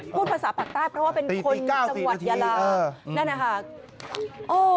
พูดภาษาปากใต้เพราะว่าเป็นคนจังหวัดยาลานั่นนะคะ